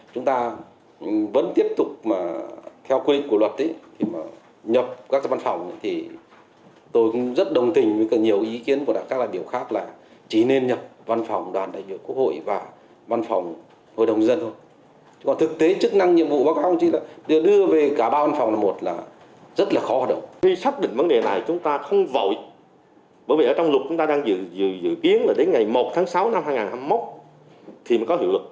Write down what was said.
trong luật chúng ta đang dự kiến là đến ngày một tháng sáu năm hai nghìn hai mươi một thì mới có hiệu lực